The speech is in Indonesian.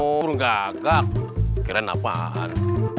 oh burung gagak kira kira apaan